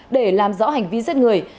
để làm rõ hành vi giết người